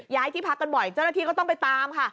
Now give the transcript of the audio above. ที่พักกันบ่อยเจ้าหน้าที่ก็ต้องไปตามค่ะ